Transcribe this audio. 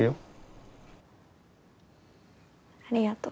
ありがと。